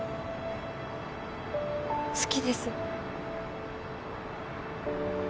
好きです。